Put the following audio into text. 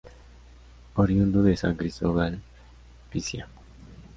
Oriundo de San Cristóbal, Pcia.